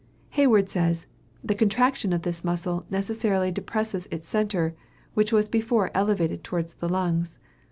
Hayward says, "The contraction of this muscle necessarily depresses its centre, which was before elevated towards the lungs.